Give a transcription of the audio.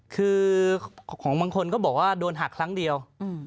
คือของบางคนก็บอกว่าโดนหักครั้งเดียว